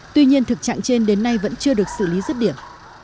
tuy nhiên thực trạng trên đến nay vẫn chưa được xử lý rứt điểm